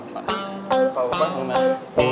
pak obatmu mas